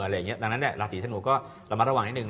แล้วราศีธนูก็มาระวังนิดนึง